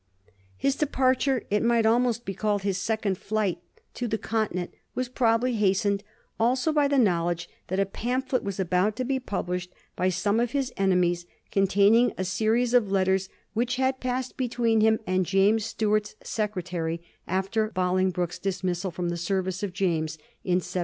His departure — it might almost be called his second flight — to the Continent was probably hastened also by the knowledge that a pamphlet was about to be published by some of his enemies, con taining a series of letters which had passed between him and James Stuart's secretary, after Bolingbroke's dismis sal from the service of James in 1716.